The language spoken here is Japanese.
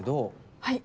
はい。